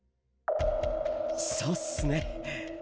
そっすね。